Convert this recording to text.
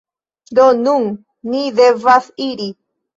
Do, nun ni devas iri